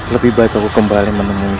lebih baik aku kembali menemui